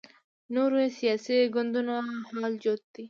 نورو سیاسي ګوندونو حال جوت دی